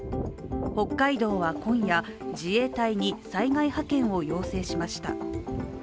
北海道は今夜自衛隊に災害派遣を要請しました。